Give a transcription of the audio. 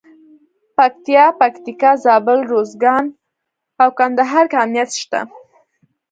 پکتیا، پکتیکا، زابل، روزګان او کندهار کې امنیت شته.